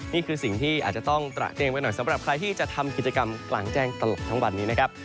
นี่คือสิ่งที่อาจจะต้องตระเตรียมไว้หน่อยสำหรับใครที่จะทำกิจกรรมกลางแจ้งตลอดทั้งวันนี้นะครับ